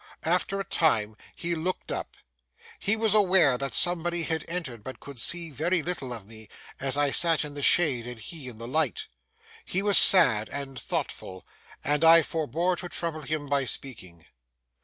After a time he looked up. He was aware that somebody had entered, but could see very little of me, as I sat in the shade and he in the light. He was sad and thoughtful, and I forbore to trouble him by speaking.